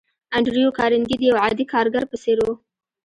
انډريو کارنګي د يوه عادي کارګر په څېر و.